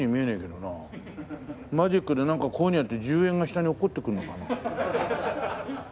マジックでなんかこういうふうにやって１０円が下に落っこってくるのかな。